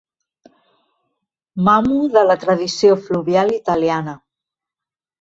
Mamo de la tradició fluvial italiana.